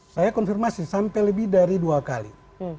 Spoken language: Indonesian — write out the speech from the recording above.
saya konfirmasi sampai lebih dari dua kali